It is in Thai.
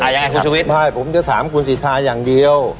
อ่ายังไงครับคุณชุวิตไม่ผมจะถามคุณศิษฐาอย่างเดียว